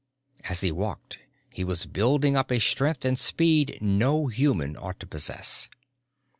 As he walked he was building up a strength and speed no human ought to possess.